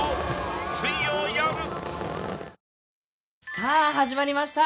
さあ始まりました。